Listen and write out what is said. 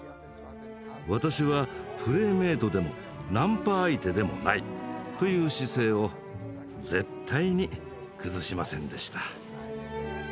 「私はプレイメイトでもナンパ相手でもない」という姿勢を絶対に崩しませんでした。